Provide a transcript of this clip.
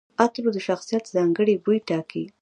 عطرونه د شخصیت ځانګړي بوی ټاکي.